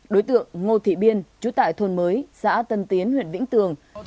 đối tượng ngô thị biên chú tại thôn mới xã tân tiến huyện vĩnh tường